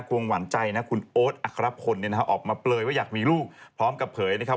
วงหวานใจนะคุณโอ๊ตอัครพลเนี่ยนะฮะออกมาเปลยว่าอยากมีลูกพร้อมกับเผยนะครับ